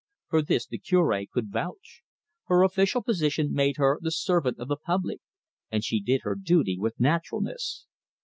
For this the Cure could vouch. Her official position made her the servant of the public, and she did her duty with naturalness.